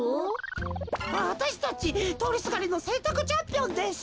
わたしたちとおりすがりのせんたくチャンピオンです。